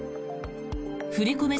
振り込め